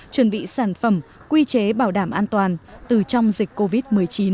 chuẩn bị sản phẩm quy chế bảo đảm an toàn từ trong dịch covid một mươi chín